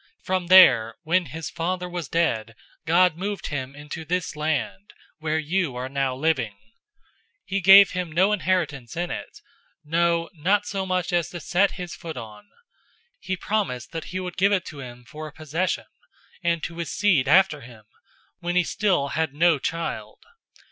From there, when his father was dead, God moved him into this land, where you are now living. 007:005 He gave him no inheritance in it, no, not so much as to set his foot on. He promised that he would give it to him for a possession, and to his seed after him, when he still had no child.